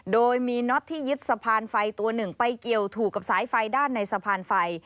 โดยมีน็อตที่ยึดสะพานไฟตัวหนึ่งไปเกี่ยวถูกกับสายไฟด้านในสะพานไฟ